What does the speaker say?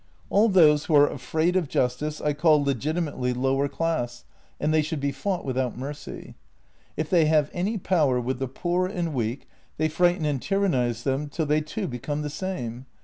" All those who are afraid of justice I call legitimately lower JENNY 73 class, and they should be fought without mercy. If they have any power with the poor and weak, they frighten and tyrannize them till they too become the same.